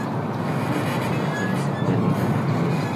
Formó parte de la Segunda Liga ateniense.